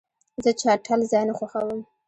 زه چټل ځای نه خوښوم.